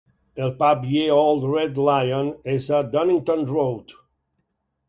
El pub Ye Olde Red Lion és a Donington Road.